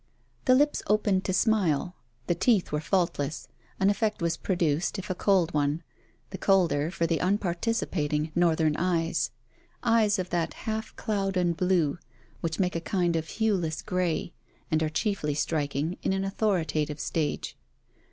The lips opened to smile, the teeth were faultless; an effect was produced, if a cold one the colder for the unparticipating northern eyes; eyes of that half cloud and blue, which make a kind of hueless grey, and are chiefly striking in an authoritative stage.